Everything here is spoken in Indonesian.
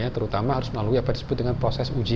terutama harus melalui apa yang disebut dengan proses uji